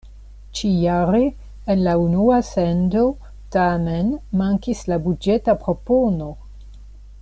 Ĉi-jare en la unua sendo tamen mankis la buĝeta propono.